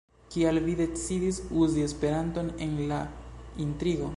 Kial vi decidis uzi Esperanton en la intrigo?